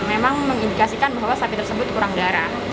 memang mengindikasikan bahwa sapi tersebut kurang darah